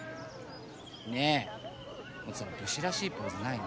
ねえもっと武士らしいポーズないの？